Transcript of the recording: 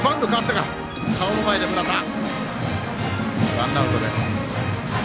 ワンアウトです。